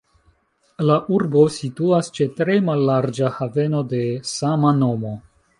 La urbo situas ĉe tre mallarĝa haveno de sama nomo.